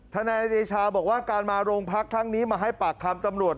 ทนายเดชาบอกว่าการมาโรงพักครั้งนี้มาให้ปากคำตำรวจ